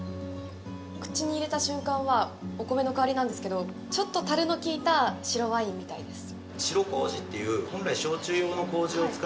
口に入れた瞬間はお米の香りなんですけど、ちょっと、たるの効いた白ワインみたいです。